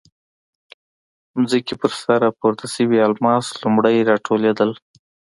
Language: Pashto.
ځمکې پر سر راپورته شوي الماس لومړی راټولېدل.